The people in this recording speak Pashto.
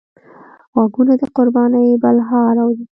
غوږونه د قربانۍ بلهار اوري